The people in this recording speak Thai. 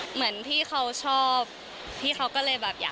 เหมือนพี่เค้าชอบพี่เค้าก็เลยอยากให้